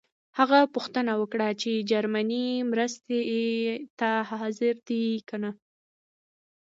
هغه پوښتنه وکړه چې جرمني مرستې ته حاضر دی کنه.